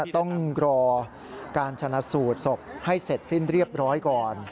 ต้องรอการชนะสูตรศพให้เสร็จสิ้นเรียบร้อยก่อน